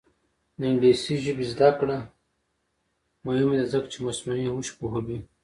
د انګلیسي ژبې زده کړه مهمه ده ځکه چې مصنوعي هوش پوهوي.